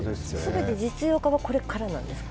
全て実用化はこれからなんですか？